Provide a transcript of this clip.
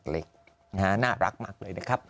เล็กน่ารักมากเลยนะครับ